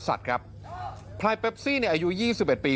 สัตว์ครับพลายเป็ปซี่เนี่ยอายุยี่สิบเอ็ดบี